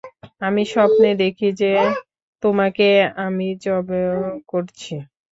আমি স্বপ্নে দেখি যে, তোমাকে আমি যবেহ করছি।